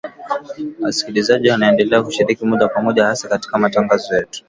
Wasikilizaji waendelea kushiriki moja kwa moja hasa katika matangazo yetu